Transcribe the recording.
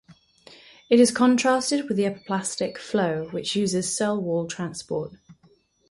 It is contrasted with the apoplastic flow, which uses cell wall transport.